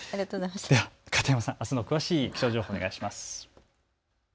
では片山さん、あすの気象情報お願いします。